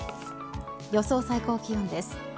予想最高気温です。